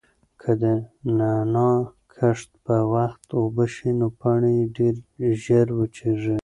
که د نعناع کښت په وخت اوبه نشي نو پاڼې یې ډېرې ژر وچیږي.